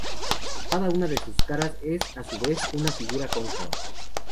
Cada una de sus caras es, a su vez, una figura cóncava.